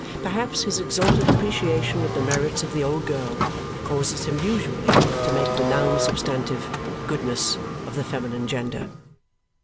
Perhaps his exalted appreciation of the merits of the old girl causes him usually to make the noun substantive "goodness" of the feminine gender.